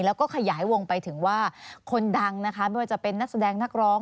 แล้วก็ขยายวงไปถึงว่าคนดังนะคะไม่ว่าจะเป็นนักแสดงนักร้อง